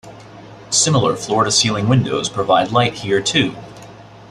Similar floor to ceiling windows provide light here too.